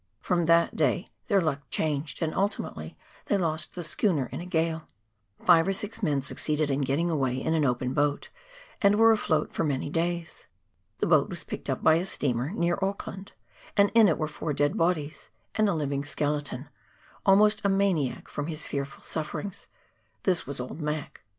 From that day their luck changed, and ultimately they lost the schooner in a gale. Five or six men succeeded in getting away in an open boat, and were afloat for many days. The boat was picked up by a steamer, near Auckland, and in it were four dead bodies, and a living skeleton, almost a maniac from his fearful sufferings — this was old Mac.